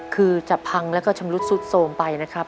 คือจะพังแล้วก็ชำรุดสุดโทรมไปนะครับ